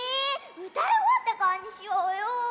うたいおわってからにしようよ。